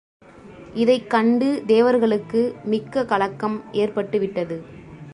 இதைக் கண்டு தேவர்களுக்கு மிக்க கலக்கம் ஏற்பட்டு விட்டது.